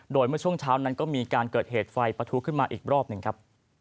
โดยเมื่อช่วงเช้านั้นก็มีการเกิดเหตุไฟประทุขึ้นมาอีกรอบหนึ่งครับ